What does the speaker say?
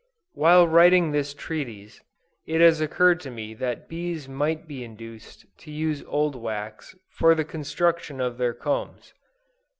While writing this treatise, it has occurred to me that bees might be induced to use old wax for the construction of their combs.